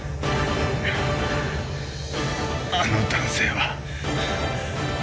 あの男性は？